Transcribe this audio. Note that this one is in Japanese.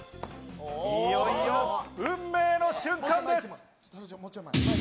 いよいよ運命の瞬間です。